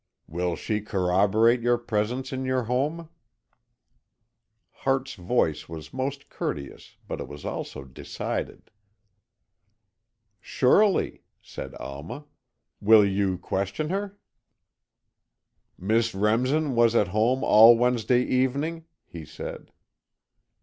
"Will she corroborate your presence in your home?" Hart's voice was most courteous, but it also was decided. "Surely," said Alma. "Will you question her?" "Miss Remsen was at home all Wednesday evening?" he said.